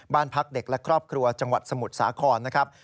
บ้านพักเด็กและครอบครัวจังหวัดสมุทรสาครนะครับ